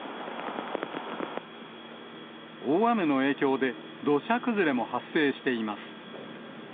大雨の影響で、土砂崩れも発生しています。